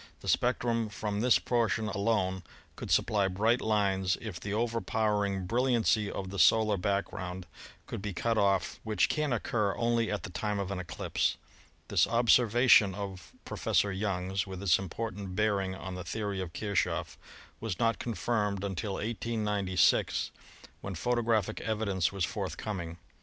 The spectrum from this portion alone should supply bright lines if the overpowering bril liancy of the solar background could be cut off, which can occur only at the time of an eclipse. This observation of Professor Young's, with its important bearing on the the ory of Kirchoff, was not confirmed until 1896, when photo 107 108 ASTRONOMY graphic evidence was forthcoming.